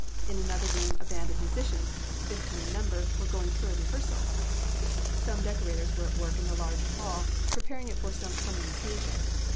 In another room a band of musicians, fifteen in number, were going through a rehearsal. Some decorators were at work in the large hall, preparing it for some coming occasion.